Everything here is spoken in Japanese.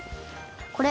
これ？